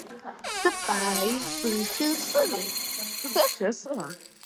იგი დამასკოში ცხოვრობდა და შვიდ წლამდე მუნჯი იყო.